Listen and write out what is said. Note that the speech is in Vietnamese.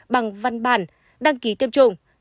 bằng văn bản đăng ký tiêm chủng